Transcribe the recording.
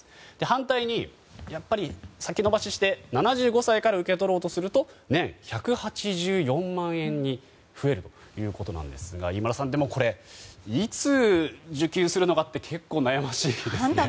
反対に先延ばしして７５歳から受け取ろうとすると年１８４万円に増えるということなんですが飯村さん、でもこれいつ受給するのかって結構、悩ましいですね。